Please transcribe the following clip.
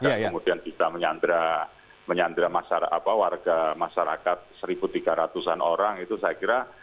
dan kemudian bisa menyandra warga masyarakat satu tiga ratus an orang itu saya kira